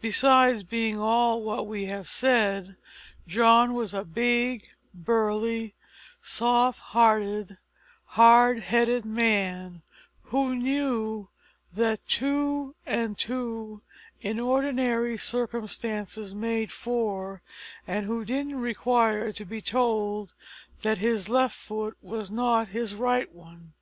Besides being all that we have said, John was a big, burly, soft hearted, hard headed man, who knew that two and two in ordinary circumstances made four, and who didn't require to be told that his left foot was not his right one.